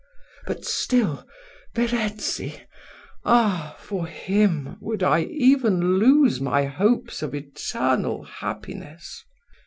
But still, Verezzi ah! for him would I even lose my hopes of eternal happiness.